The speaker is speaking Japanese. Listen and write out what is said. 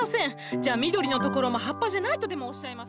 じゃあ緑のところも葉っぱじゃないとでもおっしゃいますの？